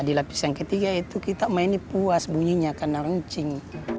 di lapis yang ketiga itu kita mainnya puas bunyinya karena rencing